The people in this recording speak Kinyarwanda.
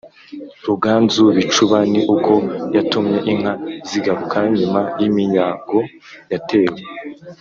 Ruganzu Bicuba ni uko yatumye inka zigaruka nyuma y’iminyago yatewe